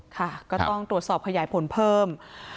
ค่ะก็ต้องตรวจสอบขยายผลเพิ่ม